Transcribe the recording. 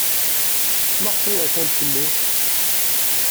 Maɣef ay rfant fell-i?